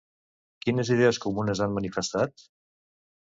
Quines idees comunes han manifestat?